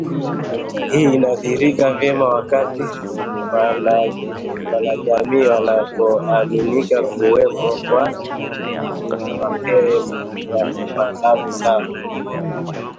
Hii inadhihirika vyema wakati wanajamii wanapoamini kuwepo kwa mapepo ya mababu zao